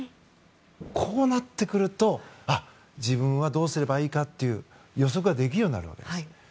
こうなってくると自分はどうすればいいかと予測ができるようになるわけです。